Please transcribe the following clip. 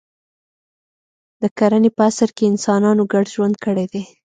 د کرنې په عصر کې انسانانو ګډ ژوند کړی دی.